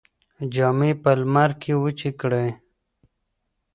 جامې په لمر کې وچې کړئ.